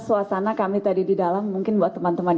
suasana kami tadi di dalam mungkin buat teman teman